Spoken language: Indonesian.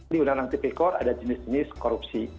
di undang undang tipik kor ada jenis jenis korupsi